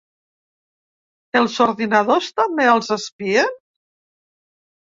Els ordinadors també els espien?